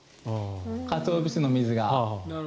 カツオ節の水が。